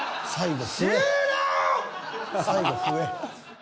最後笛。